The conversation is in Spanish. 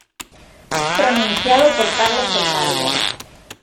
Pronunciado por Carlos el Calvo.